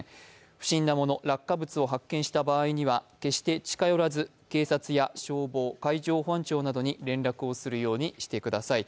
不審なもの落下物を発見した場合は近寄らず警察や消防、海上保安庁などに連絡をするようにしてください。